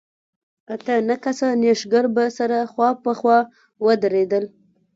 اته نه کسه نېشګر به سره خوا په خوا ودرېدل.